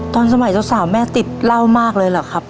ตอนสมัยสาวแม่ติดเหล้ามากเลยเหรอครับ